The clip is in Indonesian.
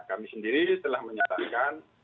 kami sendiri telah menyatakan